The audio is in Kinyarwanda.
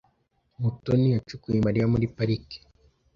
Mutoni yacukuye Mariya muri parike.